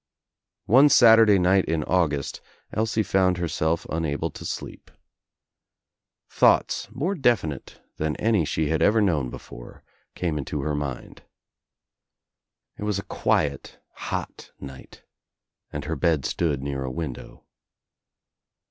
One Saturday night in August Elsie found herself unable to sleep. Thoughts, more definite than any she had ever known before, came into her mind. It was a quiet hot night and her bed stood near a window.